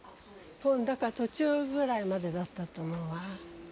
だから途中ぐらいまでだったと思うわ。